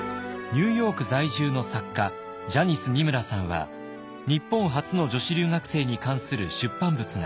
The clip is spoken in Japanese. ニューヨーク在住の作家ジャニス・ニムラさんは日本初の女子留学生に関する出版物があります。